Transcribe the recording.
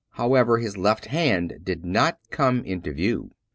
However, his left hand did not come into view.